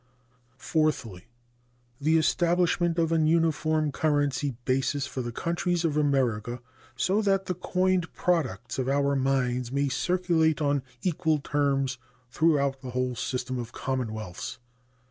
Fourthly. The establishment of an uniform currency basis for the countries of America, so that the coined products of our mines may circulate on equal terms throughout the whole system of commonwealths.